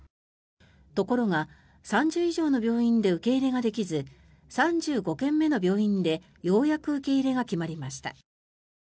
ところが、３０以上の病院で受け入れができず３５件目の病院でようやく受け入れが決まりました。